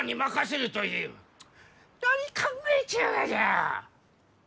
何考えちゅうがじゃ！